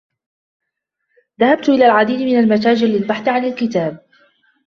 ذهبت إلى العديد من المتاجر للبحث عن الكتاب.